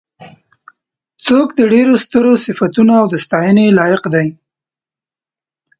څوک د ډېرو سترو صفتونو او د ستاینې لایق دی.